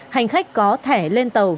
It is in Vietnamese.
hành khách có thẻ lên tàu